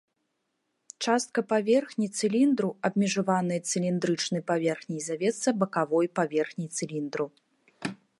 Частка паверхні цыліндру, абмежаваная цыліндрычнай паверхняй завецца бакавой паверхняй цыліндру.